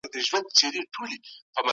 پارلمان بهرنۍ پانګونه نه ردوي.